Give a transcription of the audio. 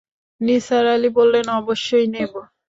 নিসার আলি বললেন, অবশ্যই নেব।